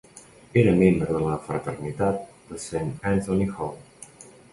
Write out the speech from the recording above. Era membre de la fraternitat de Saint Anthony Hall.